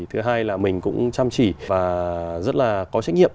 thứ hai là mình cũng chăm chỉ và rất là có trách nhiệm